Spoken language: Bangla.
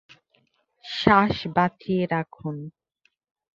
শ্বাস বাঁচিয়ে রাখুন।